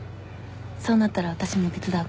そうなったら私も手伝うから。